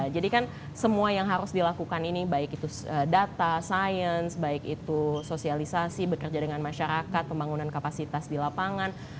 jadi kan semua yang harus dilakukan ini baik itu data sains baik itu sosialisasi bekerja dengan masyarakat pembangunan kapasitas di lapangan